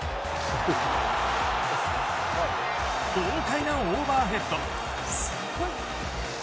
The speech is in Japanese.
豪快なオーバーヘッド。